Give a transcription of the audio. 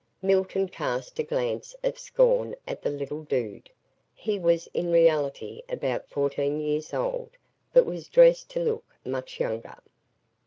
Milton cast a glance of scorn at the "little dude." He was in reality about fourteen years old but was dressed to look much younger.